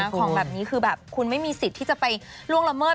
ของแบบนี้คือแบบคุณไม่มีสิทธิ์ที่จะไปล่วงละเมิด